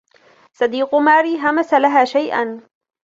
صَديقُ ماري هَمَسَ لَها شيئاً